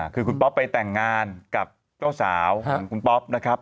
คือคุณป๊อปไปแต่งงานกับเจ้าสาวของคุณป๊อปนะครับ